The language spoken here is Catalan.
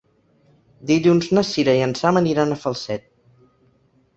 Dilluns na Cira i en Sam aniran a Falset.